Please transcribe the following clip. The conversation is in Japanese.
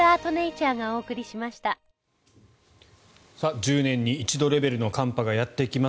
１０年に一度レベルの寒波がやってきます。